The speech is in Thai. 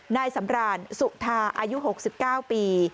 นายสำรานสุธาอายุ๖๙ปี